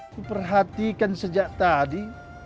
kuperhatikan sejak tadi